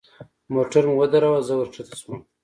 موټر مو ودراوه زه ورکښته سوم.